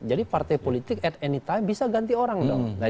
jadi partai politik at any time bisa ganti orang dong